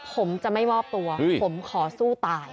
ผมจะไม่มอบตัวผมขอสู้ตาย